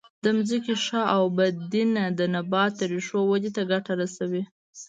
د ځمکې ښه اوبدنه د نبات د ریښو ودې ته ګټه رسوي.